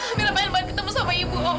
amira pengen banget ketemu sama ibu